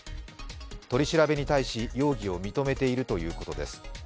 取り調べに対し、容疑を認めているということです。